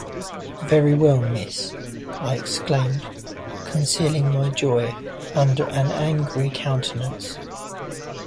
‘Very well, Miss!’ I exclaimed, concealing my joy under an angry countenance.